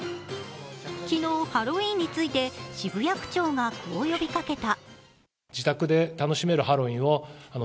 昨日、ハロウィーンについて渋谷区長が、こう呼びかけた。